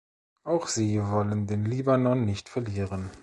Auch sie wollen den Libanon nicht verlieren.